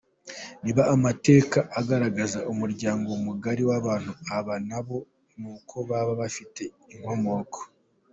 Niba amateka agaragaza umuryango mugari w’abantu aba n’aba, nuko baba bafite inkomoko.